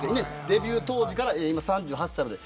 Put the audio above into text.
デビュー当時から３８歳まで。